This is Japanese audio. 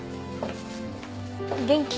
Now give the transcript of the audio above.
元気？